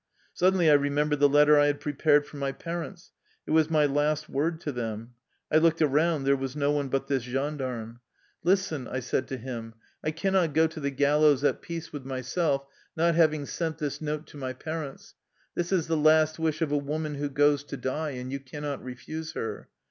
Suddenly I remem bered the letter I had prepared for my parents. It was my last word to them. I looked around ; there was no one but this gendarme. 158 THE LIFE STOEY OF A RUSSIAN EXILE " Listen," I said to Mm. " I cannot go to the gallows at peace with myself not having sent this note to my parents. This is the last wish of a woman who goes to die, and you cannot refuse her.